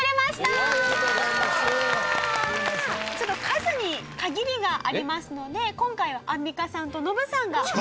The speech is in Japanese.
ちょっと数に限りがありますので今回はアンミカさんとノブさんが試食。